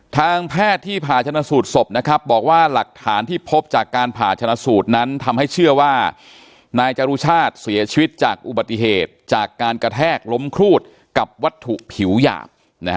ทางแพทย์ที่ผ่าชนสูตรศพนะครับบอกว่าหลักฐานที่พบจากการผ่าชนะสูตรนั้นทำให้เชื่อว่านายจรุชาติเสียชีวิตจากอุบัติเหตุจากการกระแทกล้มครูดกับวัตถุผิวหยาบ